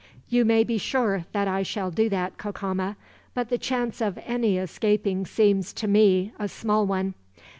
"You may be sure that I shall do that, Cacama; but the chance of any escaping seems, to me, a small one.